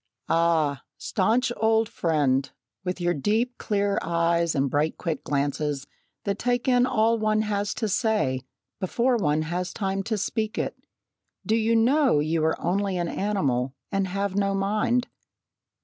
"Ah! staunch old friend, with your deep, clear eyes, and bright quick glances that take in all one has to say, before one has time to speak it, do you know you are only an animal and have no mind?